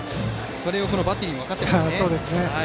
それをバッテリーも分かっていましたね。